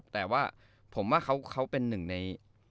แต่ว่าผมว่าเขาเป็นหนึ่งใน